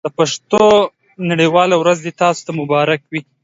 د پښتو نړۍ واله ورځ دې تاسو ته مبارک وي.